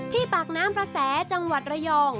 ปากน้ำประแสจังหวัดระยอง